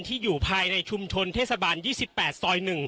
อยู่ภายในชุมชนเทศบาล๒๘ซอย๑